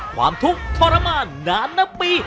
ความทุกข์ทรมานนานนับปี